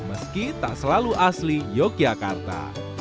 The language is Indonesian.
meski tak selalu asli yogyakarta